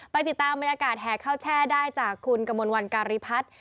ติดตามบรรยากาศแห่ข้าวแช่ได้จากคุณกมลวันการีพัฒน์